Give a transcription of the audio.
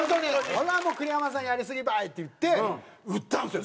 「これはもう栗山さんやりすぎばい」って言って打ったんですよ